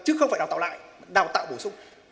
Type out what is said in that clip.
chứ không phải đào tạo lại đào tạo bổ sung